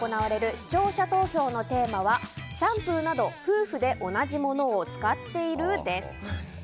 せきららスタジオ内で行われる視聴者投票のテーマはシャンプーなど夫婦で同じモノを使っている？です。